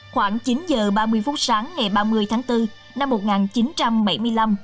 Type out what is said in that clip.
khoảng chín h ba mươi phút sáng ngày ba mươi tháng bốn năm một nghìn chín trăm bảy mươi năm